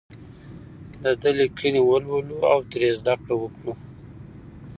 د ده لیکنې ولولو او ترې زده کړه وکړو.